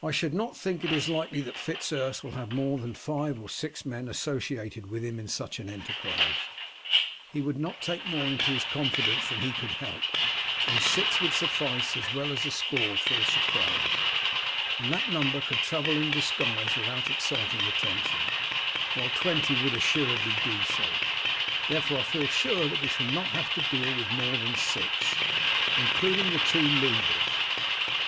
"I should not think it is likely that Fitz Urse will have more than five or six men associated with him in such an enterprise. He would not take more into his confidence than he could help, and six would suffice as well as a score for a surprise; and that number could travel in disguise without exciting attention, while twenty would assuredly do so; therefore I feel sure that we shall not have to deal with more than six, including the two leaders.